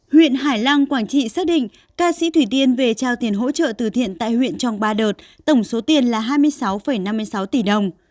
huyện hải lăng quảng trị xác định ca sĩ thủy tiên về trao tiền hỗ trợ từ thiện tại huyện trong ba đợt tổng số tiền là hai mươi sáu năm mươi sáu tỷ đồng